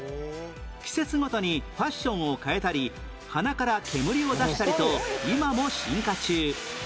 季節ごとにファッションを変えたり鼻から煙を出したりと今も進化中